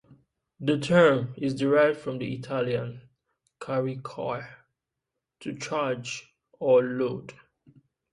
The term is derived from the Italian "caricare"-to charge or load.